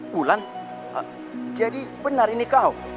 bulan jadi benar ini kau